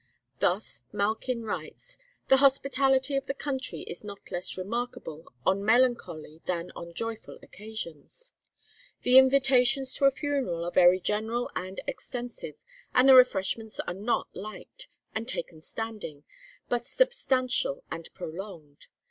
Thus Malkin writes: 'The hospitality of the country is not less remarkable on melancholy than on joyful occasions. The invitations to a funeral are very general and extensive; and the refreshments are not light, and taken standing, but substantial and prolonged.